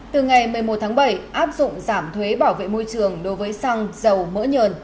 từ ngày một mươi một tháng bảy áp dụng giảm thuế bảo vệ môi trường đối với xăng dầu mỡ nhờn